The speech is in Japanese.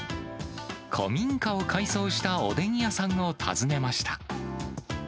古民家を改装したおでん屋さんを訪ねました。